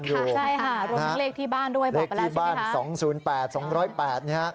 เลขที่บ้าน๒๐๘๒๐๘